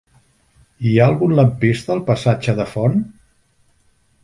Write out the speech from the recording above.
Hi ha algun lampista al passatge de Font?